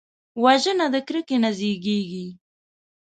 وژنه د کرکې نه زیږېږي